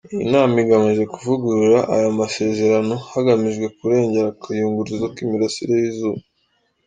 Iyi nama igamije kuvugurura aya masezerano hagamijwe kurengera akayunguruzo k’imirasire y’izuba.